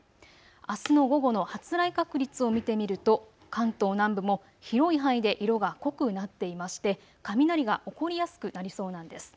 あすの午後の発雷確率を見てみると関東南部も広い範囲で色が濃くなっていまして雷が起こりやすくなりそうなんです。